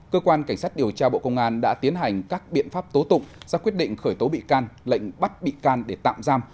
cơ quan cảnh sát điều tra bộ công an đã tiến hành các biện pháp tố tụng ra quyết định khởi tố bị can lệnh bắt bị can để tạm giam